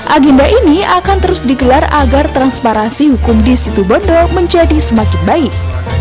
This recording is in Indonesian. agenda ini akan terus digelar agar transparansi hukum di situ bondo menjadi semakin baik